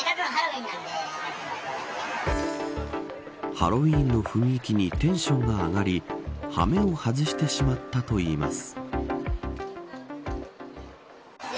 ハロウィーンの雰囲気にテンションが上がり羽目を外してしまったといいます。